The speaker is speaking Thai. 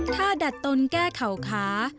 ถ้าดัดตนแก้เข่าขา